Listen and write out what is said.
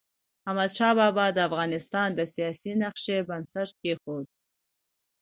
احمدشاه بابا د افغانستان د سیاسی نقشې بنسټ کيښود.